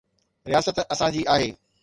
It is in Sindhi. رياست اسان جي آهي.